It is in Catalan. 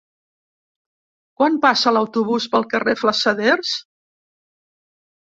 Quan passa l'autobús pel carrer Flassaders?